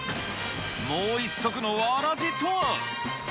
もう一足のわらじとは。